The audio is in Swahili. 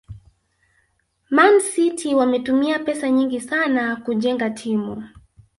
Man City wametumia pesa nyingi sana kujenga timu